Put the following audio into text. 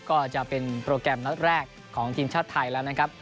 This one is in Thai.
ก็จะเป็นโปรแกรมนัดแรกของทีมชาติไทยแล้วนะครับ